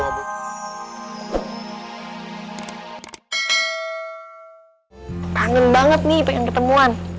kangen banget nih pengen ketemuan